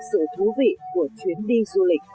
sự thú vị của chuyến đi du lịch